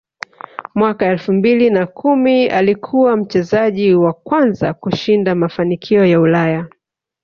Mwaka elfu mbili na kumi alikuwa mchezaji wa kwanza kushinda mafanikio ya Ulaya